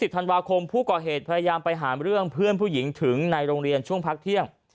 ธันวาคมผู้ก่อเหตุพยายามไปหาเรื่องเพื่อนผู้หญิงถึงในโรงเรียนช่วงพักเที่ยง